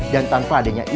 dan tanpa adanya istri